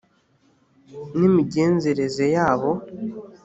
n imigenzereze yabo